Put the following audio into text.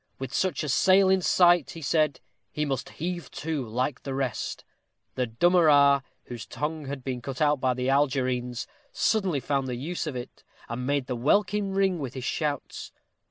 "With such a sail in sight," he said, "he must heave to, like the rest." The dummerar, whose tongue had been cut out by the Algerines, suddenly found the use of it, and made the welkin ring with his shouts.